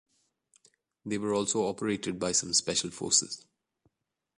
They were also operated by some special forces.